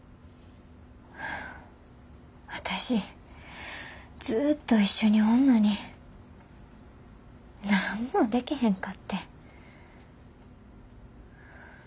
私ずっと一緒におんのに何もでけへんかってん。